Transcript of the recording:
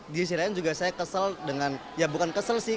di sisi lain juga saya kesel dengan ya bukan kesel sih